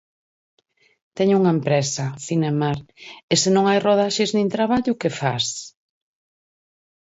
Teño unha empresa, Cinemar, e se non hai rodaxes nin traballo, que fas?